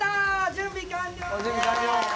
準備完了！